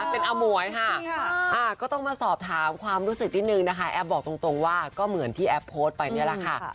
เป็นอมวยค่ะก็ต้องมาสอบถามความรู้สึกนิดนึงนะคะแอฟบอกตรงว่าก็เหมือนที่แอฟโพสต์ไปนี่แหละค่ะ